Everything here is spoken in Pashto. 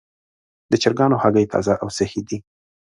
د چرګانو هګۍ تازه او صحي دي.